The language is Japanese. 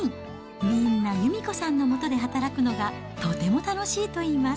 みんな、由美子さんの下で働くのがとても楽しいといいます。